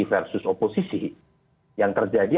versus oposisi yang terjadi